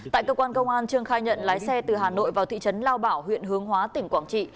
tại cơ quan công an trương khai nhận lái xe từ hà nội vào thị trấn lao bảo huyện hướng hóa tỉnh quảng trị